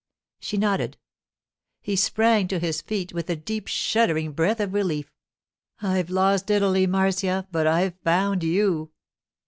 She nodded. He sprang to his feet with a deep, shuddering breath of relief. 'I've lost Italy, Marcia, but I've found you!